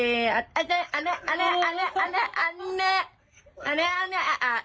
อันเนี้ยอันเนี้ยอันเนี้ยอันเนี้ยอันเนี้ยอันเนี้ยอันเนี้ยอ่ะอ่ะ